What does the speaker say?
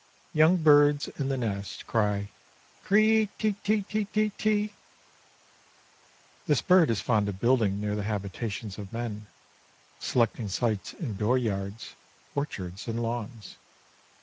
Young birds in the nest cry "cree te te te te te." This bird is fond of building near the habitations of men, selecting sites in door yards, orchards, and lawns.